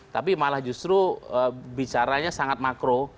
tapi malah justru bicaranya sangat makro